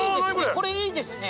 これいいですね。